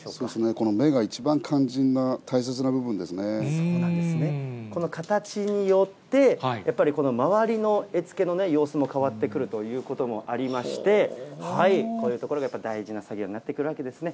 この目が一番肝心な、大切なこの形によって、やっぱり周りの絵付けの様子も変わってくるということもありまして、こういうところがやっぱり大事な作業になってくるわけですね。